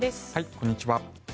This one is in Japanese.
こんにちは。